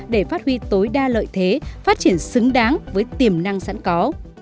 để phát huy tối đa lợi thế phát triển xứng đáng với tiềm năng sẵn có